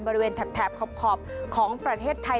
แถบขอบของประเทศไทย